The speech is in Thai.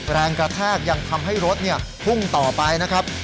แรงกระแทกยังทำให้รถพุ่งต่อไปนะครับ